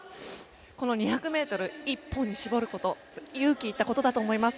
この２００ｍ１本に絞ることは勇気がいったことだと思います。